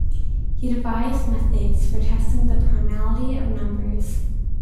He devised methods for testing the primality of numbers.